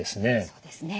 そうですね。